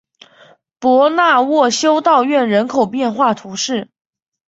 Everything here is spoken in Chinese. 博纳沃修道院人口变化图示